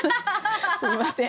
すみません。